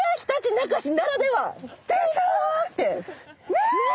ねえ！